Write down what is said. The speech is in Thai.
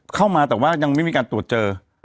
เข้ามาแต่ว่ายังไม่มีการตรวจเจอ